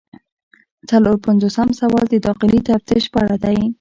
څلور پنځوسم سوال د داخلي تفتیش په اړه دی.